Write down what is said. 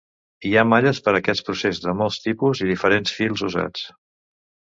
Hi ha malles per a aquest procés de molts tipus i diferents fils usats.